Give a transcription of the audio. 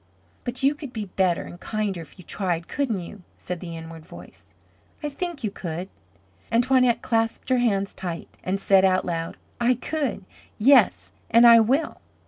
"But you could be better and kinder if you tried, couldn't you?" said the inward voice. "I think you could." And Toinette clasped her hands tight and said out loud: "I could. Yes and I will."